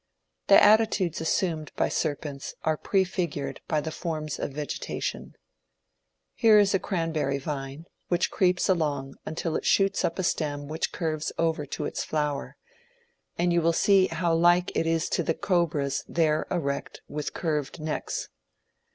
The attitudes assumed by serpents are prefigured by the forms of vegetation. Here is a cranberry vme, which creeps along until it shoots up a stem which curves over to its flower, and you will see how like it is to the cobras there erect with curved necks.